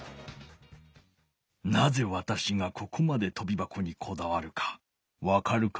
なぜわたしがここまでとびばこにこだわるかわかるか？